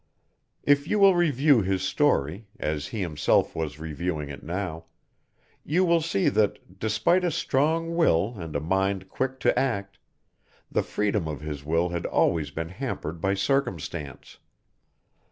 If you will review his story, as he himself was reviewing it now, you will see that, despite a strong will and a mind quick to act, the freedom of his will had always been hampered by circumstance.